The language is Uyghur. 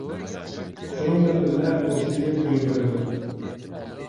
شۇنىڭ بىلەن بىللە، ئوكسىگېن قويۇپ بېرىدۇ.